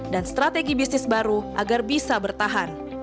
dan strategi bisnis baru agar bisa bertahan